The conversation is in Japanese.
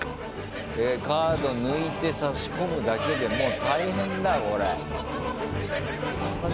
カード抜いて差し込むだけでもう大変だよこれ。